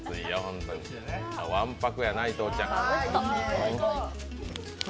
わんぱくやな、伊藤ちゃん。